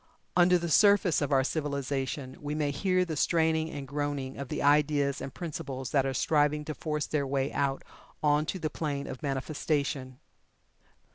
Under the surface of our civilization we may hear the straining and groaning of the ideas and principles that are striving to force their way out on to the plane of manifestation.